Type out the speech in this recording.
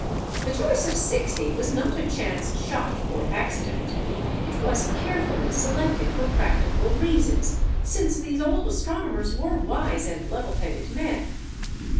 The choice of "sixty" was not a chance shot or accident; it was carefully selected for practical reasons since these old astronomers were wise and level headed men.